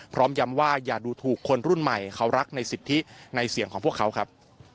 พร้อมย้ำว่าอย่าดูถูกคนรุ่นใหม่เขารักในสิทธิในเสียงของพวกเขาครับ